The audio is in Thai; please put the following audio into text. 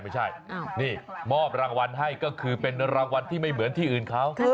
ไม่ใช่นี่มอบรางวัลให้ก็คือเป็นรางวัลที่ไม่เหมือนที่อื่นเขา